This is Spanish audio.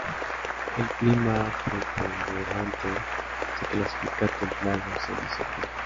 El clima preponderante se clasifica templado semiseco.